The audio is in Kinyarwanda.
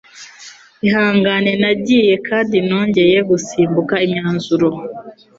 Ihangane, Nagiye kandi nongeye gusimbuka imyanzuro.